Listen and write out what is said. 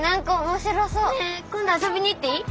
ねえ今度遊びに行っていい？